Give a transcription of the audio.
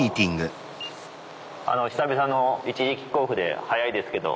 久々の１時キックオフで早いですけど。